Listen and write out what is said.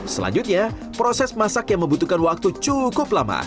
selanjutnya proses masak yang membutuhkan waktu cukup lama